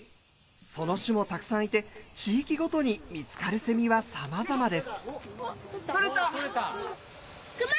その種もたくさんいて地域ごとに見つかるセミは様々です。